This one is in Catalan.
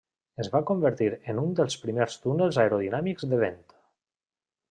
Es va convertir en un dels primers túnels aerodinàmics de vent.